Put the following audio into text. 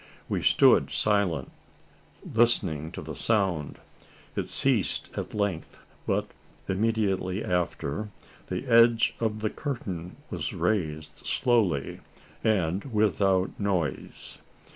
We stood silent, listening to the sound. It ceased at length; but, immediately after, the edge of the curtain was raised slowly, and without noise.